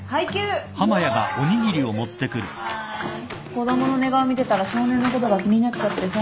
子供の寝顔見てたら少年のことが気になっちゃってさ。